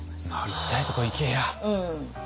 「行きたいとこ行けや！」。